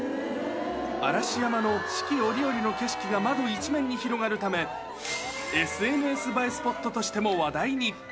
嵐山の四季折々の景色が窓一面に広がるため、ＳＮＳ映えスポットとしても話題に。